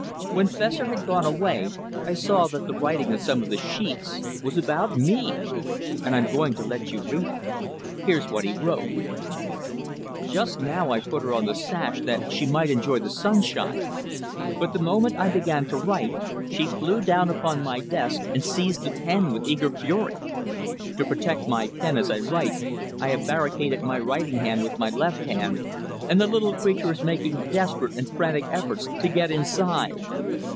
When Fessor had gone away I saw that the writing on some of the sheets of paper was about me, and I'm going to let you read it. Here is what he wrote: "Just now I put her on the sash that she might enjoy the sunshine, but the moment I began to write she flew down upon my desk and seized the pen with eager fury. To protect my pen as I write I have barricaded my writing hand with my left hand and the little creature is making desperate and frantic efforts to get inside.